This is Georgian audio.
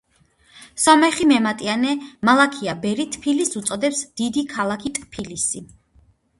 სომეხი მემატიანე მალაქია ბერი თბილისს უწოდებს „დიდი ქალაქი ტფილისი“.